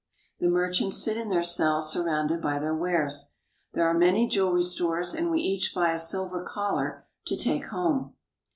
The merchants sit in their cells surrounded by their wares. There are many jewelry stores, and we each buy a silver collar to take home.